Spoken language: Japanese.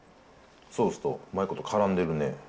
ソースとうまいこと、からんでるね。